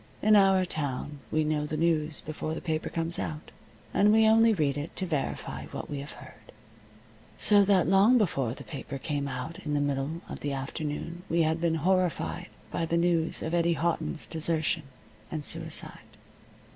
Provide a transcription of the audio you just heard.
In our town we know the news before the paper comes out, and we only read it to verify what we have heard. So that long before the paper came out in the middle of the afternoon we had been horrified by the news of Eddie Houghton's desertion and suicide.